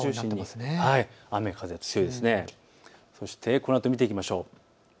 このあと見ていきましょう。